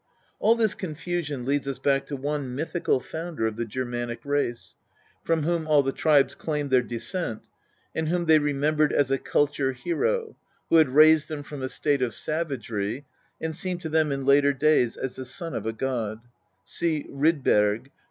All this confusion leads us back to one mythical founder of the Germanic race, from whom all the tribes claimed their descent, and whom they remembered as a culture hero, who had raised them from a state of savagery, and seemed to them in later days as the son of a god (see Rydberg, pp.